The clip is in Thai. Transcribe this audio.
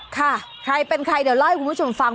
ใครเป็นใครเดี๋ยวเล่าให้คุณผู้ชมฟัง